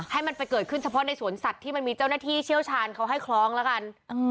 ให้มันไปเกิดขึ้นเฉพาะในสวนสัตว์ที่มันมีเจ้าหน้าที่เชี่ยวชาญเขาให้คล้องแล้วกัน